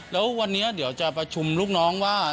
แล้ววันนี้เดี๋ยวจะประชุมลูกน้องว่า